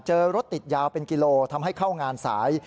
รถติดยาวเป็นกิโลทำให้เข้างานสาย